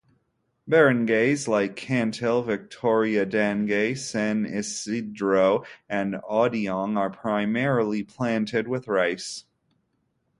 Barangays like Cantil, Victoria, Dangay, San Isidro, and Odiong are primarily planted with rice.